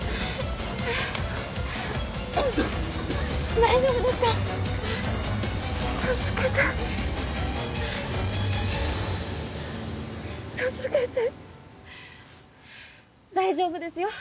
大丈夫ですか助けて助けて大丈夫ですよ